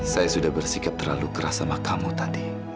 saya sudah bersikap terlalu keras sama kamu tadi